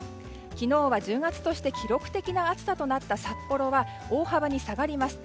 昨日は１０月として記録的な暑さとなった札幌は大幅に下がります。